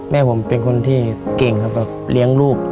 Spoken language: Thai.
แม่ผมเป็นคนที่เก่งครับแบบเลี้ยงลูก